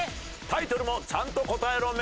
タイトルもちゃんと答えろメドレー。